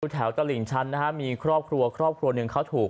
ตลิ่งชั้นนะฮะมีครอบครัวครอบครัวหนึ่งเขาถูก